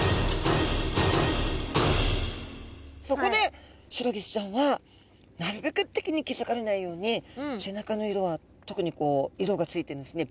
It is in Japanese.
そこでシロギスちゃんはなるべく敵に気付かれないように背中の色は特に色がついてるんですね。